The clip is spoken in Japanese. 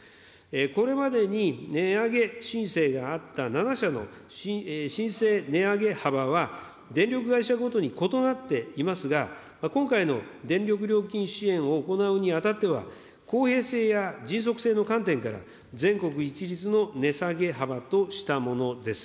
これまでに値上げ申請があった７社の申請値上げ幅は、電力会社ごとに異なっておりますが、今回の電力料金支援を行うにあたっては、公平性や迅速性の観点から、全国一律の値下げ幅としたものです。